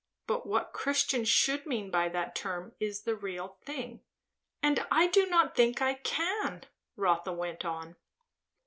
But what Christians should mean by that term is the real thing." "And I do not think I can," Rotha went on.